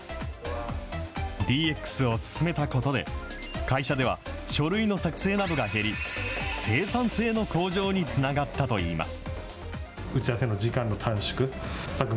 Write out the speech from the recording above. ＤＸを進めたことで、会社では書類の作成などが減り、生産性の向上につながったといいます。